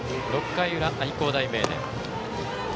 ６回裏、愛工大名電。